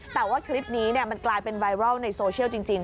แต่ว่าคลิปนี้มันกลายเป็นไวรัลในโซเชียลจริง